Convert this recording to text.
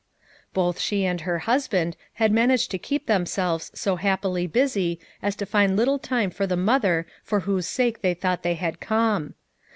Both she and her husband had managed to keep themselves so happily busy as to find little time for the mother for whose sake they thought they had come.